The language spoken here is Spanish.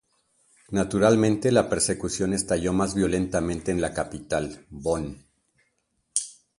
Naturalmente, la persecución estalló más violentamente en la capital, Bonn.